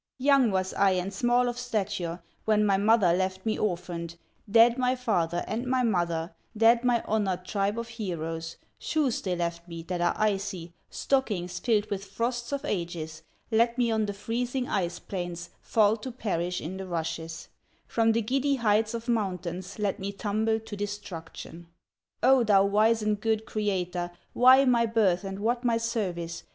Young was I and small of stature, When my mother left me orphaned; Dead, my father and my mother, Dead, my honored tribe of heroes; Shoes they left me that are icy, Stockings filled with frosts of ages, Let me on the freezing ice plains Fall to perish in the rushes; From the giddy heights of mountains Let me tumble to destruction. "O, thou wise and good Creator, Why my birth and what my service?